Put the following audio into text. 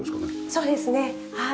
そうですねはい。